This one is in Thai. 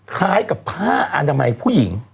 คล้ายกับผ้าอนามัยผู้หญิง